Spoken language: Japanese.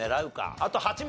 あと８問。